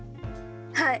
はい。